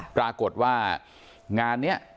ปรากฏว่างานนี้